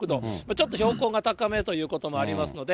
ちょっと標高が高めということもありますので。